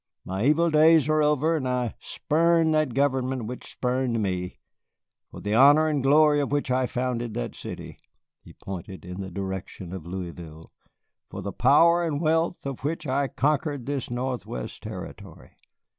My evil days are over, and I spurn that government which spurned me, for the honor and glory of which I founded that city," he pointed in the direction of Louisville, "for the power and wealth of which I conquered this Northwest territory.